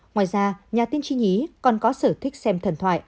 ngoài ra nhà tiên tri nhí còn có sở thích xem thần thoại